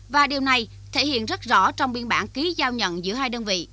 và điều này thể hiện rất rõ trong biên bản ký giao nhận giữa hai đơn vị